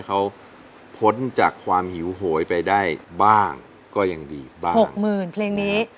เขาพ้นจากความหิวโหยไปได้บ้างก็ยังดีบ้างหกหมื่นเพลงนี้